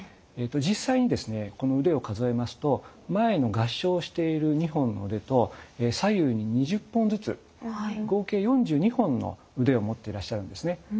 この腕を数えますと前の合掌している２本の腕と左右に２０本ずつ合計４２本の腕を持っていらっしゃるんですね。